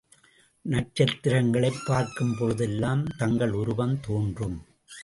நட்சத்திரங்களைப் பார்க்கும்பொழுதெல்லாம் தங்கள் உருவம் தோன்றும்.